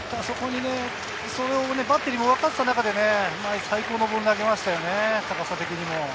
バッテリーも分かっていた中で最高のボールを投げましたね、高さ的にも。